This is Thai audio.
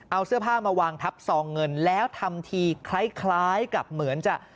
เอาเสื้อผ้ามาวางทับซองเงินแล้วทำทีคล้ายกับเหมือนจะ